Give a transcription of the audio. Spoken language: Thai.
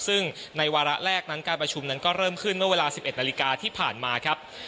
ซึ่งในวาระแรกนั้นการประชุมนั้นก็เริ่มขึ้นเมื่อเวลา๑๑นาฬิกาที่ผ่านมาครับ